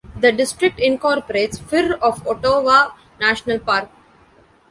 The district incorporates Fir of Hotova National Park.